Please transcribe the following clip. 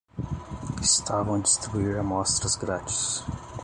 Estavam a distribuir amostras grátis.